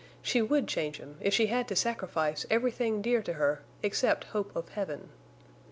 She would change him if she had to sacrifice everything dear to her except hope of heaven.